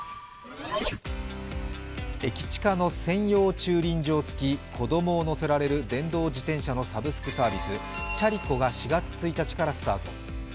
駅近の専用駐輪場つき子供を乗せられる電動自転車のサブスクサービス、ＣＨＡＲＩＣＯが４月１日からスタート。